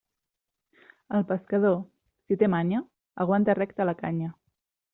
El pescador, si té manya, aguanta recta la canya.